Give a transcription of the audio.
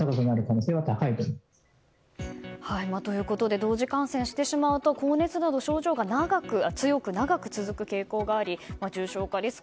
同時感染してしまうと高熱など症状が長く、強く続く傾向があり重症化リスク